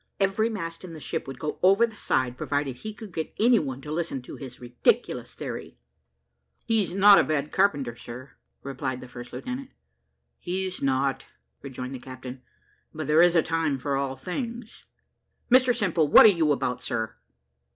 "Every mast in the ship would go over the side, provided he could get any one to listen to his ridiculous theory." "He is not a bad carpenter, sir," replied the first lieutenant. "He is not," rejoined the captain; "but there is a time for all things." "Mr Simple, what are you about, sir?"